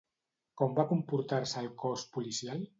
Com va comportar-se el cos policial?